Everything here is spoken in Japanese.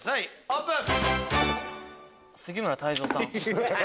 オープン。